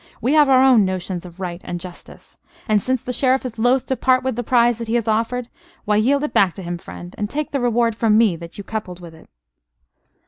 We have our own notions of right and justice; and since the Sheriff is loth to part with the prize that he has offered why, yield it back to him, friend and take the reward from me that you coupled with it."